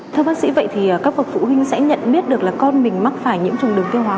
thưa bác sĩ vậy thì các bậc phụ huynh sẽ nhận biết được là con mình mắc phải nhiễm trùng đường tiêu hóa